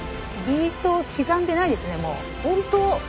ビートを刻んでないですねもう。